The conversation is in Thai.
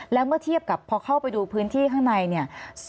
แล้วก็เทียบกับพอเข้าไปดูพื้นที่ข้างใน